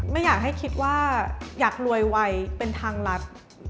ไม่อยากให้คิดว่าอยากรวยไวเป็นทางรัฐ